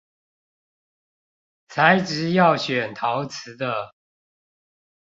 材質要選陶瓷的